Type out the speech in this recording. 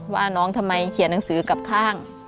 ว่าน้องทำไมเขียนหนังสือกลับข้าง